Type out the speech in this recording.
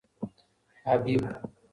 حبیب